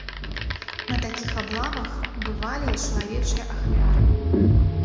На такіх аблавах бывалі і чалавечыя ахвяры.